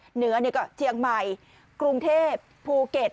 เหนือก็เชียงใหม่กรุงเทพภูเก็ต